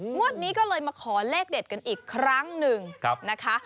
งวดนี้ก็เลยมาขอเลขเด็ดกันอีกครั้งหนึ่งนะคะ